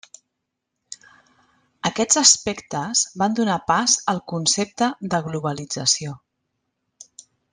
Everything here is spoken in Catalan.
Aquests aspectes van donar pas al concepte de globalització.